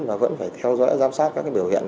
và vẫn phải theo dõi giám sát các biểu hiện